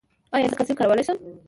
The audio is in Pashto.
ایا زه کلسیم کارولی شم؟